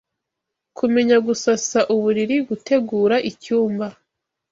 Kumenya gusasa uburiri, gutegura icyumba